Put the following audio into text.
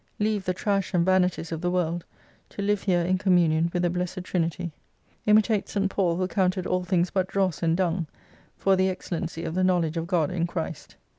Leave the trash and vanities of the world, to live here in communion with the blessed Trinity. Imitate St. Paul who counted all things but dross and dung, for the excellency of the knowledge of God in Christ.